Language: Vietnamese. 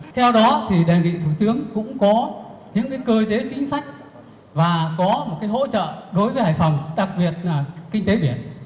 theo đó thì đề nghị thủ tướng cũng có những cơ chế chính sách và có một hỗ trợ đối với hải phòng đặc biệt là kinh tế biển